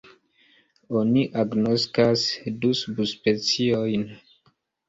Oni agnoskas du subspeciojn.